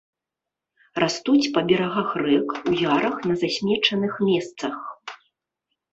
Растуць па берагах рэк, у ярах, на засмечаных месцах.